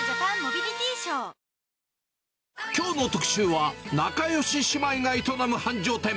きょうの特集は、仲よし姉妹が営む繁盛店。